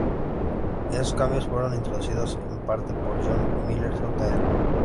Esos cambios fueron introducidos en parte por John Miles Jr.